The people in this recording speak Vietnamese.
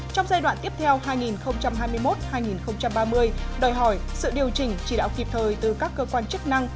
trong giai đoạn tiếp theo hai nghìn hai mươi một hai nghìn ba mươi đòi hỏi sự điều chỉnh chỉ đạo kịp thời từ các cơ quan chức năng